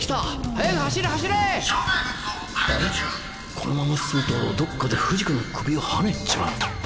このまま進むとどっかで不二子の首をはねちまう。